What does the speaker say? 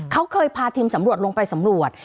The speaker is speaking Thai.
เขาเคยพาทีมสำรวจลงไปสำรวจ